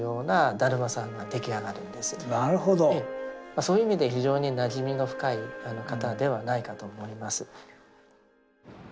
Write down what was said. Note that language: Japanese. そういう意味で非常になじみの深い方ではないかと思います。